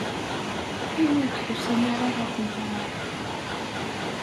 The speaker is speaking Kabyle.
Ayen ur d-tusim ara ɣer tmeɣra?